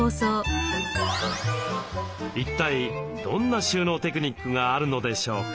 一体どんな収納テクニックがあるのでしょうか？